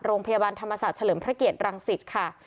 โรงพยาบาลธรรมศาสตร์เฉลิมพระเกียรติรังสิตค่ะ